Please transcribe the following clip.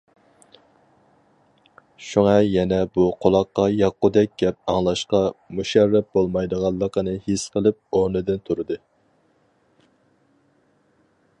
شۇڭا يەنە بۇ قۇلاققا ياققۇدەك گەپ ئاڭلاشقا مۇشەررەپ بولمايدىغانلىقىنى ھېس قىلىپ ئورنىدىن تۇردى.